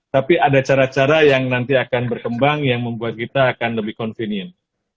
tapi ada cara cara yang nanti akan berkembang yang membuat kita akan lebih convenient